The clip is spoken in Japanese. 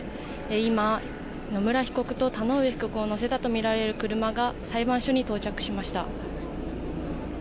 今、野村被告と田上被告を乗せたとみられる車が裁判所に到着しました。